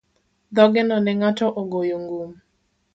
Dhogeno ne ng'ato ogoyo gum.